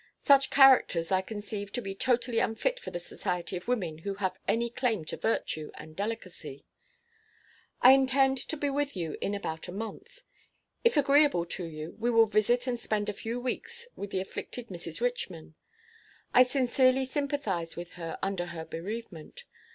Such characters I conceive to be totally unfit for the society of women who have any claim to virtue and delicacy. I intend to be with you in about a month. If agreeable to you, we will visit and spend a few weeks with the afflicted Mrs. Richman. I sincerely sympathize with her under her bereavement.